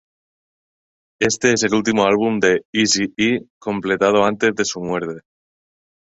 Este es el último álbum de Eazy-E completado antes de su muerte.